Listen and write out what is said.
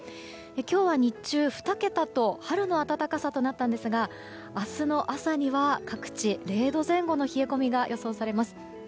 今日は日中、２桁と春の暖かさとなったんですが明日の朝には各地、０度前後の冷え込みが予想されます。